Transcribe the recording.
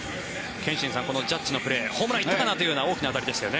憲伸さん、このジャッジのプレーホームランいったかなという大きな当たりでしたね。